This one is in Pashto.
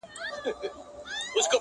ماما خېل یې په ځنګله کي یابوګان وه!.